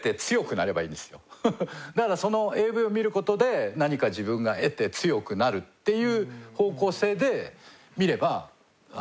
だからＡＶを見る事で何か自分が得て強くなるっていう方向性で見れば。